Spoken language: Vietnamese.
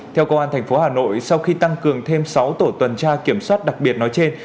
theo công an tp hà nội sau khi tăng cường thêm sáu tổ tuần tra kiểm soát đặc biệt nói trên